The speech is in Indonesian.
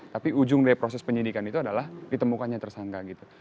tapi ujung dari proses penyidikan itu adalah ditemukannya tersangka gitu